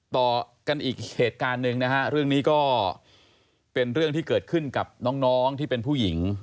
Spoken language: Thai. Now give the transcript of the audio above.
ต่อกันอีกเหตุการณ์หนึ่งนะฮะเรื่องนี้ก็เป็นเรื่องที่เกิดขึ้นกับน้องที่เป็นผู้หญิง